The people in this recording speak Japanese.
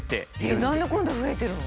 何でこんな増えてるの？